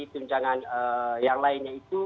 tunjangan yang lainnya itu